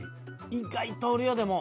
意外とおるよでも。